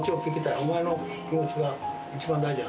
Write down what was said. お前の気持ちが一番大事や。